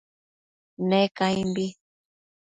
Ne caimbi